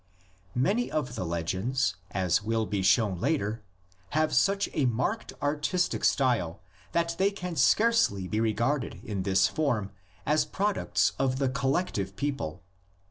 Many of the legends, as will be shown later, have such a marked artistic style that they can scarcely be regarded in this form as products of the collec tive people.